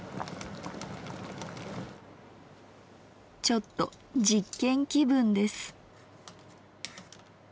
ちょっと実験気分です。